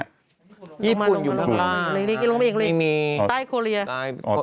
หนึ่งลงไปอีกเลยใต้โขเรีย